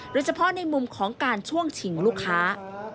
โดยเฉพาะในมุมของการช่วงชิงลูกค้า